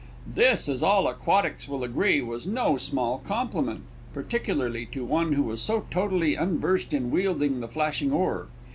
This, as all aquatics will agree, was no small compliment particularly to one who was so totally unversed in wielding the flashing oar.